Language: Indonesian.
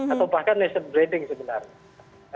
atau bahkan nation branding sebenarnya